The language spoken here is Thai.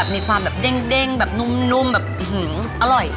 มีความแบบเด้งแบบนุ่มแบบอร่อย